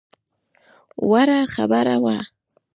وړه خبره وه.